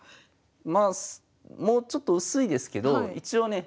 まあもうちょっと薄いですけど一応ね